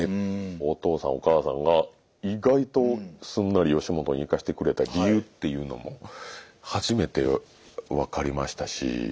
お父さんお母さんが意外とすんなり吉本に行かせてくれた理由っていうのも初めて分かりましたし。